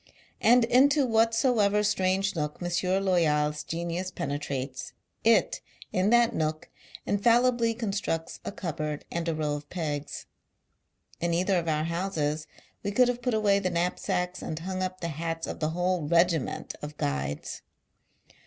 And into what soever strange nook M. Loyal's genius pene trates, it, in that nook, infallibly constructs a cupboard and a row of pegs. In either of our houses, we could Lave put away the knap sacks and hung up the hats, of the whole regiment of Guides.